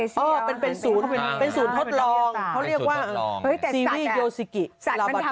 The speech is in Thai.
สัตว์อยู่ที่ไหนได้มาก